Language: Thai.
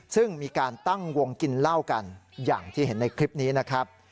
ซึ่งมีการตั้งวงกินเหล้ากันอย่างที่เห็นในคลิปนี้นะครับ